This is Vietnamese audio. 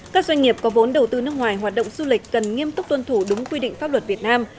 các doanh nghiệp có vốn đầu tư nước ngoài hoạt động du lịch cần nghiêm túc tuân thủ đúng quy định pháp luật việt nam